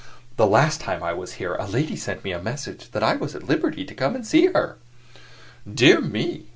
The last time I was here, a lady sent me a message that I was at liberty to come and see her." "Dear me!